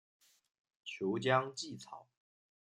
俅江芰草